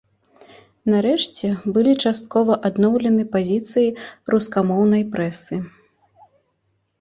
Нарэшце, былі часткова адноўлены пазіцыі рускамоўнай прэсы.